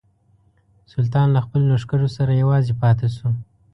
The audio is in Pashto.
سلطان له خپلو لښکرو سره یوازې پاته شو.